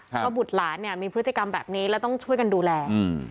เพราะบุตรหลานเนี่ยมีพฤติกรรมแบบนี้แล้วต้องช่วยกันดูแล